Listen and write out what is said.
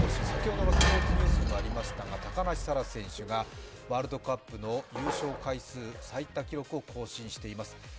先ほどのスポーツニュースにもありましたが高梨沙羅選手がワールドカップの優勝回数の最多記録を更新しています。